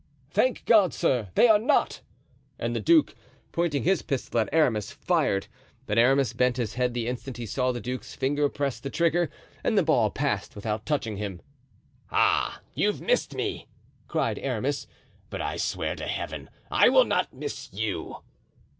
"Thank God, sir, they are not!" And the duke, pointing his pistol at Aramis, fired. But Aramis bent his head the instant he saw the duke's finger press the trigger and the ball passed without touching him. "Oh! you've missed me," cried Aramis, "but I swear to Heaven! I will not miss you."